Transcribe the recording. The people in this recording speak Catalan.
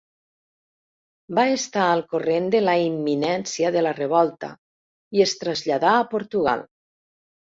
Va estar al corrent de la imminència de la revolta i es traslladà a Portugal.